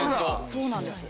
そうなんですよ。